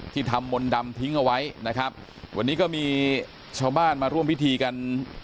ทำมนต์ดำทิ้งเอาไว้นะครับวันนี้ก็มีชาวบ้านมาร่วมพิธีกัน